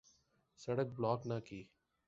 سڑک بلاک نہ کی۔